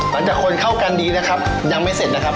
หลังจากคนเข้ากันดีนะครับยังไม่เสร็จนะครับ